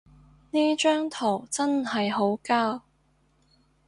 呢張圖真係好膠